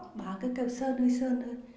có bà cứ kêu sơn ơi sơn thôi